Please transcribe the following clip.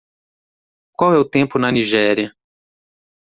Qual é o tempo na Nigéria?